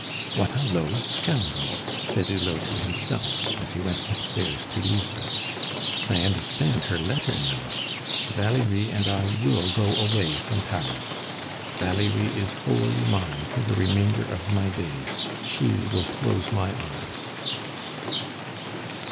"What a low scoundrel!" said Hulot to himself, as he went upstairs to Lisbeth. "I understand her letter now. Valerie and I will go away from Paris. Valerie is wholly mine for the remainder of my days; she will close my eyes."